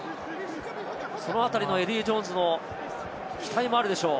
このあたりのエディー・ジョーンズの期待もあるでしょう。